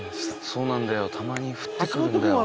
「そうなんだよたまに降ってくるんだよ」